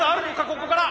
ここから。